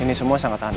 ini semua sangat aneh